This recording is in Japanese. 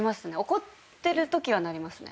怒ってるときはなりますね。